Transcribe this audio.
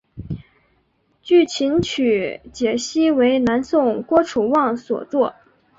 据琴曲解析为南宋郭楚望所作。